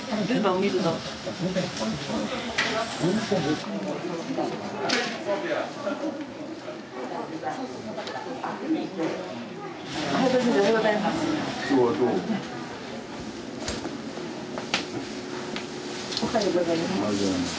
おはようございます。